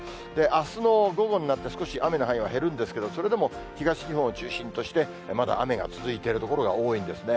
あすの午後になって、少し雨の範囲は減るんですけれども、それでも東日本を中心として、まだ雨が続いている所が多いんですね。